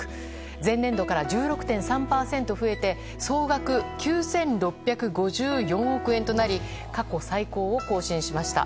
前年度から１６．３％増えて総額９６５４億円となり過去最高を更新しました。